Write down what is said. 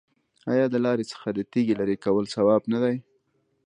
آیا د لارې څخه د تیږې لرې کول ثواب نه دی؟